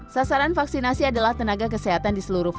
sasaran vaksinasi adalah tenaga kesehatan di seluruh kota